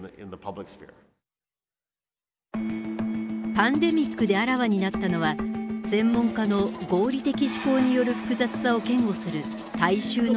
パンデミックであらわになったのは専門家の「合理的思考」による複雑さを嫌悪する大衆の姿。